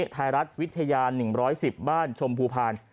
ไทยรัฐวิทยา๑๑๐บ้านชมพูพาน